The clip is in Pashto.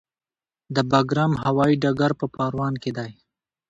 د بګرام هوايي ډګر په پروان کې دی